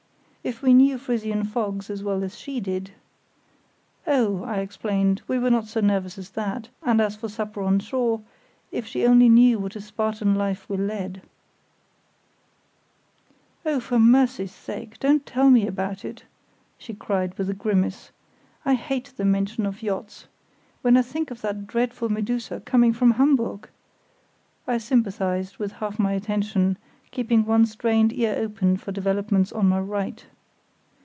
If we knew Frisian fogs as well as she did—— Oh, I explained, we were not so nervous as that; and as for supper on shore, if she only knew what a Spartan life we led—— "Oh, for mercy's sake, don't tell me about it!" she cried, with a grimace; "I hate the mention of yachts. When I think of that dreadful Medusa coming from Hamburg——" I sympathised with half my attention, keeping one strained ear open for developments on my right.